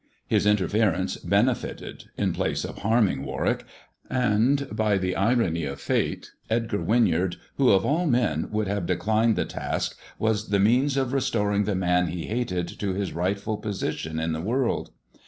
His interference benefited in place of harming Warwick, and, by the irony of fate, Edgar Winyard, who of all men would have declined the task, was the means of restoring the man he hated to his rightful position in the world.